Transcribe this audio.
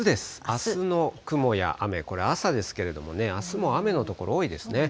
あすの雲や雨、これ、朝ですけれどもね、あすも雨の所、多いですね。